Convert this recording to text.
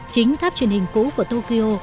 chính tháp truyền hình cũ của tokyo